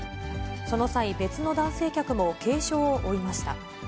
その際、別の男性客も軽傷を負いました。